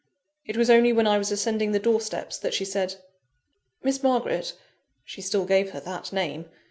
It was only when I was ascending the door steps that she said "Miss Margaret" (she still gave her that name!)